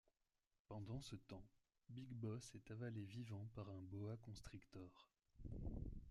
Pendant ce temps, Big Boss est avalé vivant par un boa constrictor.